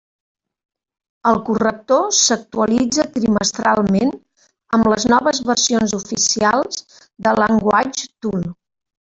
El corrector s'actualitza trimestralment amb les noves versions oficials de LanguageTool.